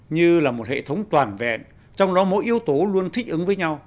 như là một hệ thống toàn vẹn trong đó mỗi yếu tố luôn thích ứng với nhau